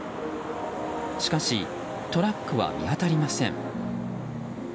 しかしトラックは見当たりません。